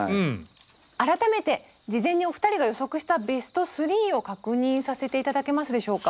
改めて事前にお二人が予測したベスト３を確認させて頂けますでしょうか。